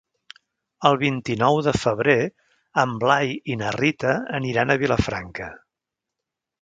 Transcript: El vint-i-nou de febrer en Blai i na Rita aniran a Vilafranca.